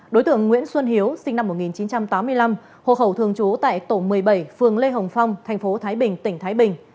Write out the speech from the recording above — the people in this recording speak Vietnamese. đối tượng nguyễn xuân hiếu sinh năm một nghìn chín trăm tám mươi năm hộ khẩu thường trú tại tổ một mươi bảy phường lê hồng phong thành phố thái bình tỉnh thái bình